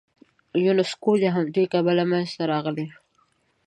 یونسکو د همدې کبله منځته راغلی.